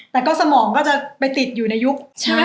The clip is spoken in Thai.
แต่ก็สมองก็จะไปติดอยู่ในยุค